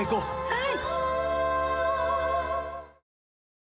はい。